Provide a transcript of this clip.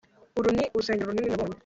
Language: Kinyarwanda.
Uru ni urusengero runini nabonye